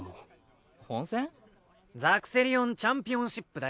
ザクセリオン・チャンピオンシップだよ。